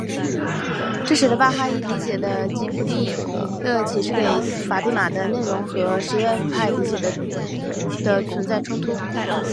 这使得巴哈伊理解的吉卜利勒启示给法蒂玛的内容和什叶派理解的存在冲突。